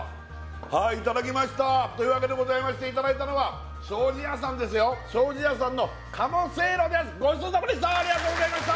はいいただきましたというわけでございましていただいたのは庄司屋さんですよ庄司屋さんの鴨せいろですありがとうございました